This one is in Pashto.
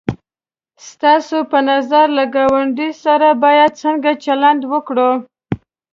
ستاسو په نظر له گاونډي سره باید څنگه چلند وکړو؟